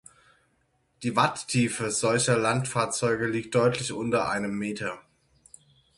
Die Wattiefe solcher Landfahrzeuge liegt deutlich unter einem Meter.